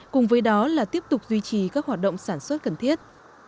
cùng với đó là tiếp tục duy trì các hoạt động sản xuất cần thiết